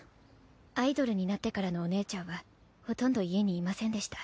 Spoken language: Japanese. アイドルになってからのお姉ちゃんはほとんど家にいませんでした。